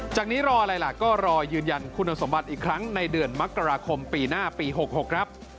นี้รออะไรล่ะก็รอยืนยันคุณสมบัติอีกครั้งในเดือนมกราคมปีหน้าปี๖๖ครับ